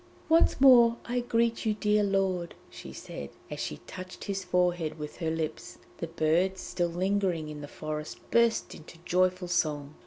'Once more I greet you, dear lord!' she said, and as she touched his forehead with her lips, the birds still lingering in the forest burst into joyful song.